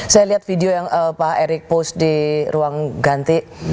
saya lihat video yang pak erick post di ruang ganti